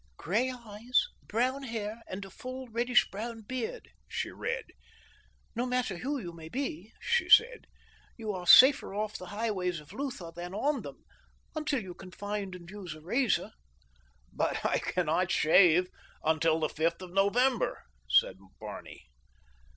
"Gray eyes, brown hair, and a full reddish brown beard," she read. "No matter who you may be," she said, "you are safer off the highways of Lutha than on them until you can find and use a razor." "But I cannot shave until the fifth of November," said Barney.